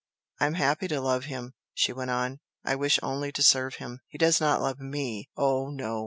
"I am happy to love him!" she went on "I wish only to serve him. He does not love ME oh, no!